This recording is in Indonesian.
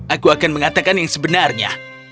aku akan mengatakan yang sebenarnya